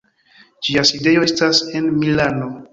Ĝia sidejo estas en Milano.